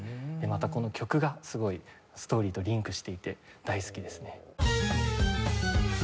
またこの曲がすごいストーリーとリンクしていて大好きですね。